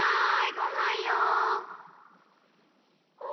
ごはんよ！